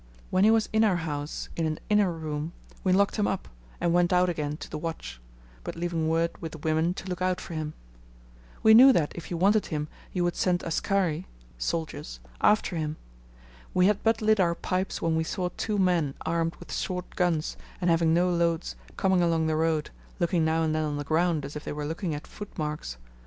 When he was in our house in an inner room, we locked him up, and went out again to the watch; but leaving word with the women to look out for him. We knew that, if you wanted him, you would send askari (soldiers) after him. We had but lit our pipes when we saw two men armed with short guns, and having no loads, coming along the road, looking now and then on the ground, as if they were looking at footmarks.